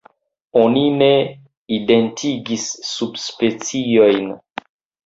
Oni ne identigis subspeciojn.